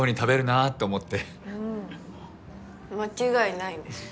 間違いないです。